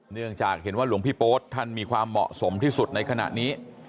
เนื่องจากเห็นว่าหลวงพี่โป๊ดท่านมีความเหมาะสมที่สุดในขณะนี้